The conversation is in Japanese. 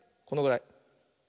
このぐらい。